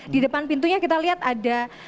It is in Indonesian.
di depan pintunya kita lihat ada